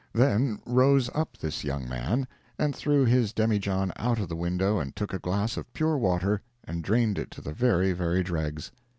Then rose up this young man, and threw his demijohn out of the window, and took a glass of pure water, and drained it to the very, very dregs.